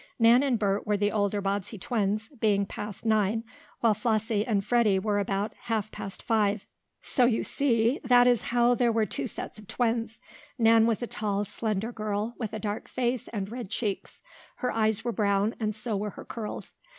Nan and Bert were the older Bobbsey twins, being past nine, while Flossie and Freddie were about "half past five." So you see that is how there were two sets of twins. Nan was a tall, slender girl, with a dark face and red cheeks. Her eyes were brown, and so were her curls.